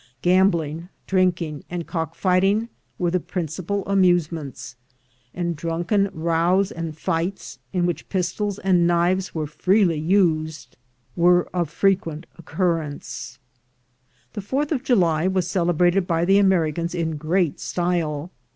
Gambling, drinking, and cock fighting were the principal amusements; and drunken rows and fights, in which pistols and knives were freely used, were of frequent occurrence. The 4th of July was celebrated by the Americans in great style.